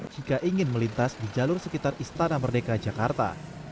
jika ingin melintas di jalur sekitar istana merdeka jakarta